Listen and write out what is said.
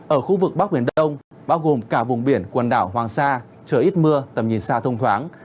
ở khu vực bắc biển đông bao gồm cả vùng biển quần đảo hoàng sa trời ít mưa tầm nhìn xa thông thoáng